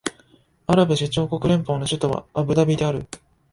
アラブ首長国連邦の首都はアブダビである